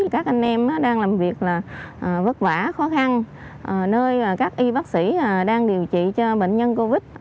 các anh em đang làm việc là vất vả khó khăn nơi các y bác sĩ đang điều trị cho bệnh nhân covid